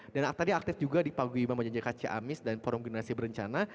dan tadi aktif juga di paguyima majajika ciamis dan forum generasi berencana